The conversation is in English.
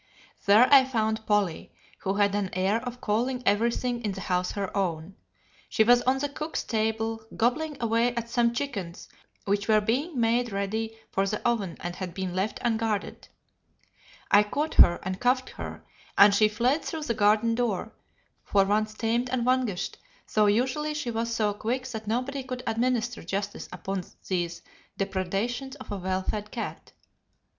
There I found Polly, who had an air of calling everything in the house her own. She was on the cook's table, gobbling away at some chickens which were being made ready for the oven and had been left unguarded. I caught her and cuffed her, and she fled through the garden door, for once tamed and vanquished, though usually she was so quick that nobody could administer justice upon these depredations of a well fed cat.